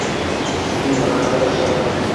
Bunlar arkadaşlarım.